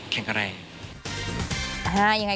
แข็งแรง